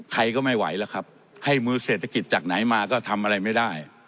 ใครก็ไม่ไหวแล้วครับให้มือเศรษฐกิจจากไหนมาก็ทำอะไรไม่ได้